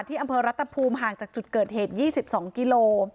อำเภอรัตภูมิห่างจากจุดเกิดเหตุ๒๒กิโล